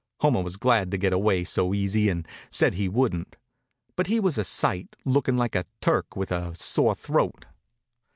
Homer was glad to get away so easy and said he wouldn't. But he was a sight, lookin' like a Turk with a sore throat.